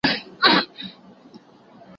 زه به سبا د هنرونو تمرين وکړم؟!